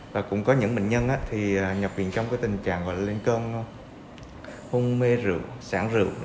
và cũng có những bệnh nhân nhập viện trong tình trạng lên cơn hung mê rượu sản rượu